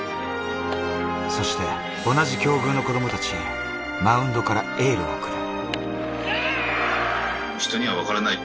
そして同じ境遇の子供たちへマウンドからエールを送る。